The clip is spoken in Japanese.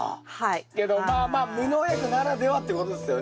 けどまあまあ無農薬ならではってことですよね。